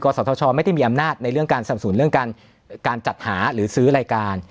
สทชไม่ได้มีอำนาจในเรื่องการสนับสนุนเรื่องการจัดหาหรือซื้อรายการ